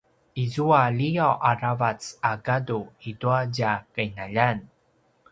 izua liyaw a ravac a gadu i tua tja qinaljan